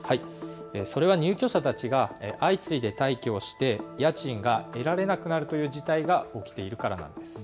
それは入居者たちが相次いで退去をして家賃が得られなくなるという事態が起きているからなんです。